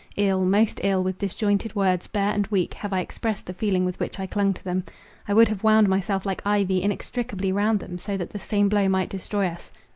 Ill, most ill, with disjointed words, bare and weak, have I expressed the feeling with which I clung to them. I would have wound myself like ivy inextricably round them, so that the same blow might destroy us.